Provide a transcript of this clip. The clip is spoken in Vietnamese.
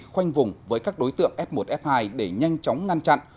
khoanh vùng với các đối tượng f một f hai để nhanh chóng ngăn chặn